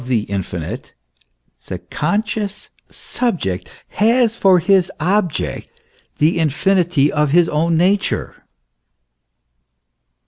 3 the infinite, the conscious subject has for his object the infinity of his own nature.